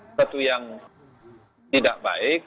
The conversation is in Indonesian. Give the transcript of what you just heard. sesuatu yang tidak baik